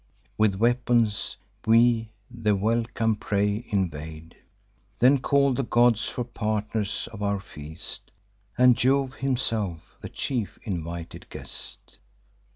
With weapons we the welcome prey invade, Then call the gods for partners of our feast, And Jove himself, the chief invited guest.